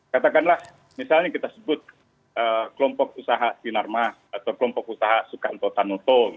katakanlah misalnya kita sebut kelompok usaha sinarmas atau kelompok usaha sukanto tanuto